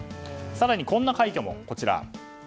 更にこんな快挙も、こちら。